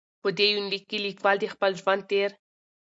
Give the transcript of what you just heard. په دې یونلیک کې لیکوال د خپل ژوند تېرې.